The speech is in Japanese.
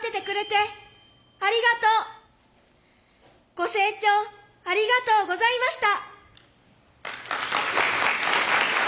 ご清聴ありがとうございました。